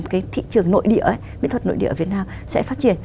cái thị trường nội địa ấy nghệ thuật nội địa ở việt nam sẽ phát triển